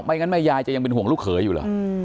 งั้นแม่ยายจะยังเป็นห่วงลูกเขยอยู่เหรอ